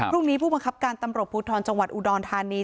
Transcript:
ผู้บังคับการตำรวจภูทรจังหวัดอุดรธานี